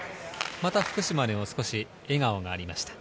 また福島に笑顔がありました。